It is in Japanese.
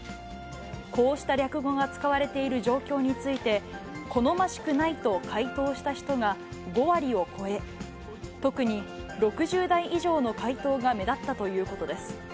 こうした略語が使われている状況について、好ましくないと回答した人が５割を超え、特に６０代以上の回答が目立ったということです。